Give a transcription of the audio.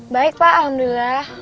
baik pak alhamdulillah